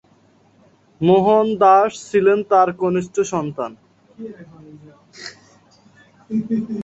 মোহনদাস ছিলেন তার কনিষ্ঠ সন্তান।